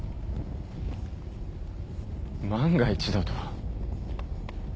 万が一だと？